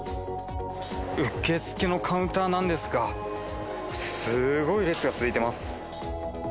受付のカウンターなんですが、すごい列が続いてます。